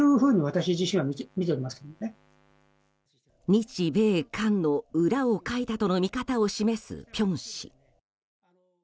日米韓の裏をかいたとの見方を示す辺氏。